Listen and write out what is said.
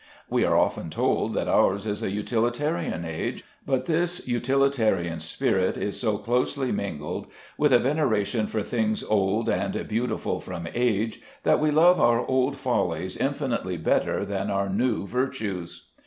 We are often told that ours is a utilitarian age, but this utilitarian spirit is so closely mingled with a veneration for things old and beautiful from age that we love our old follies infinitely better than our new virtues.